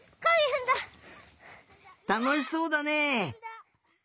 たのしそうだねえ。